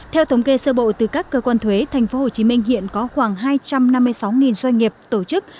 theo thống kê sơ bộ từ các cơ quan thuế tp hcm hiện có khoảng hai trăm năm mươi sáu doanh nghiệp tổ chức